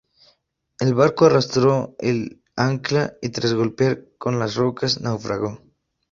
El barco arrastró el ancla y tras golpear con las rocas naufragó.